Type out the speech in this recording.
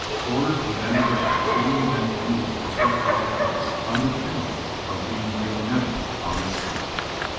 Orders were then read forbidding the men to move or slip out of place, under penalty of being bayoneted on the spot.